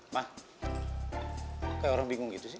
ma kok kayak orang bingung gitu sih